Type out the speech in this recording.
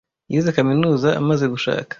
Yize kaminuza amaze gushaka.